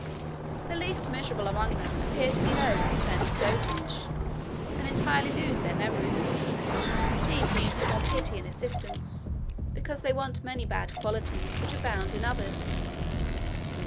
The least miserable among them appear to be those who turn to dotage, and entirely lose their memories; these meet with more pity and assistance, because they want many bad qualities which abound in others.